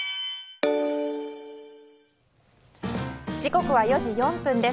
時刻は４時４分です。